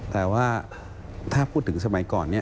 แต่ว่าถ้าพูดถึงสมัยก่อน